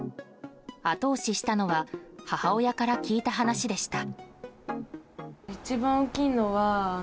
後押ししたのは母親から聞いた話でした。